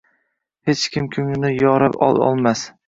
Hech kimga ko’nglimni yora olmasman…